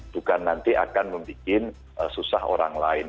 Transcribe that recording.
bukan nanti akan membuat susah orang lain